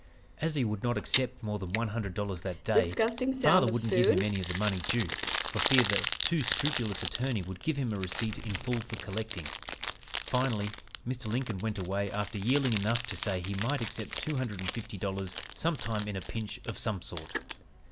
"As he would not accept more than one hundred dollars that day, father wouldn't give him any of the money due, for fear the too scrupulous attorney would give him a receipt in full for collecting. Finally, Mr. Lincoln went away after yielding enough to say he might accept two hundred and fifty dollars sometime in a pinch of some sort.